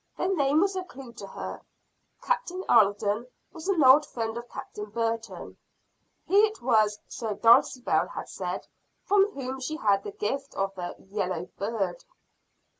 The name was a clue to her. Captain Alden was an old friend of Captain Burton. He it was, so Dulcibel had said, from whom she had the gift of the "yellow bird."